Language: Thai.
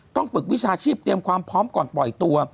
ฝึกวิชาชีพเตรียมความพร้อมก่อนปล่อยตัว